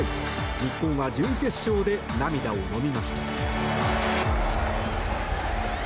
日本は準決勝で涙をのみました。